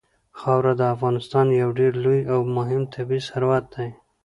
خاوره د افغانستان یو ډېر لوی او مهم طبعي ثروت دی.